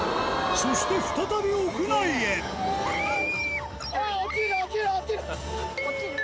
そして再び屋内へキャ！